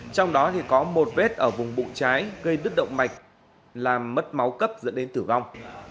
trong đó có một vết ở vùng bụng trái gây đứt động mạch làm mất máu cấp dẫn đến tử vong